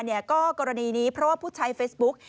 กรณีนี้เพราะว่าผู้ใช้เฟซบุ๊ก